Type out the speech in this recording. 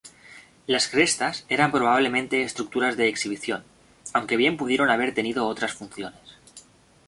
Las crestas eran probablemente estructuras de exhibición, aunque bien pudieron haber tenido otras funciones.